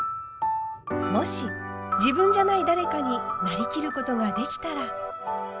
もし自分じゃない誰かになりきることができたら。